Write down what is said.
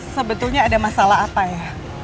sebetulnya ada masalah apa ya